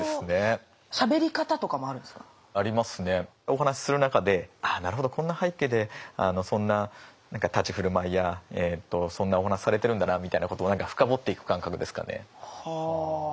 お話しする中であなるほどこんな背景でそんな立ち振る舞いやそんなお話されてるんだなみたいなことを深掘っていく感覚ですかね。